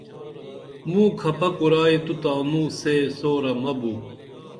موں کھپہ کُرائی تو تانوں سے سُورہ مہ بو